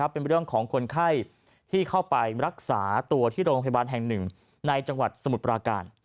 เป็นเรื่องของคนไข้ที่เข้าไปรักษาตัวที่โรงพยาบาลแห่งหนึ่งในจังหวัดสมุทรปราการ